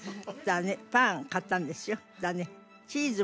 パン買ったんですよ。